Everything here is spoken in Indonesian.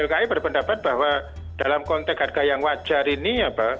dki berpendapat bahwa dalam konteks harga yang wajar ini